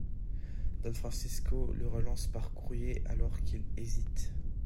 Don Francisco le relance par courrier, alors qu'il hésite.